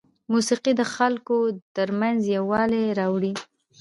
موسیقي د خلکو ترمنځ یووالی راولي.